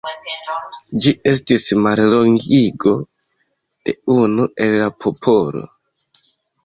Ĝi estis mallongigo de "Unu el la popolo".